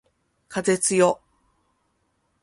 風つよ